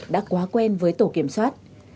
đã quá quen với tổ kiểm soát